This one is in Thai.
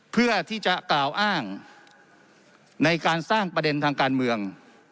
เพื่อที่จะกล่าวอ้างในการสร้างประเด็นทางการเมือง